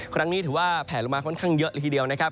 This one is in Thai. ครั้งนี้ถือว่าแผลลงมาค่อนข้างเยอะละทีเดียวนะครับ